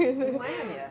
udah lumayan ya